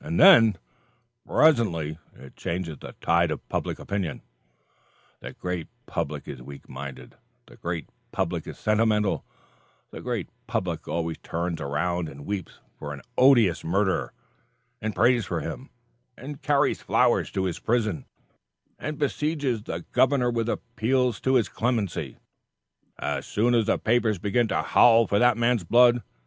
And then, presently, it changes the tide of public opinion. The great public is weak minded; the great public is sentimental; the great public always turns around and weeps for an odious murderer, and prays for him, and carries flowers to his prison and besieges the governor with appeals to his clemency, as soon as the papers begin to howl for that man's blood.